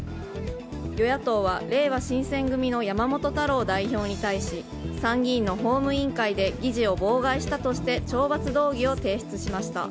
与野党はれいわ新選組の山本太郎代表に対し参議院の法務委員会で議事を妨害したとして懲罰動議を提出しました。